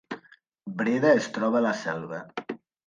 Breda es troba a la Selva